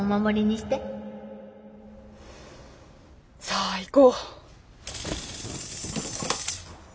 さあ行こう。